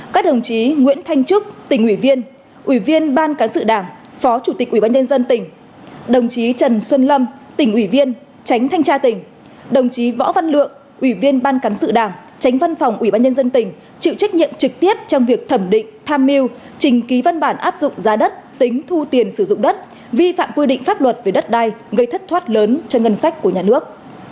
các đồng chí nguyễn thanh trúc tỉnh ủy viên ủy viên ban cán sự đảng phó chủ tịch ủy ban nhân dân tỉnh đồng chí trần xuân lâm tỉnh ủy viên tránh thanh tra tỉnh đồng chí võ văn lượng ủy viên ban cán sự đảng tránh văn phòng ủy ban nhân dân tỉnh chịu trách nhiệm trực tiếp trong việc thẩm định tham mưu trình ký văn bản áp dụng giá đất tính thu tiền sử dụng đất vi phạm quy định pháp luật về đất đai gây thất thoát lớn cho ngân sách của nhà nước